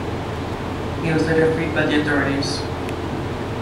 He was later freed by the authorities.